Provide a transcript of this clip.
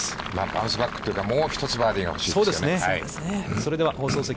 バウンスバックというか、もう一つバーディーが欲しいです。